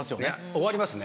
終わりますね。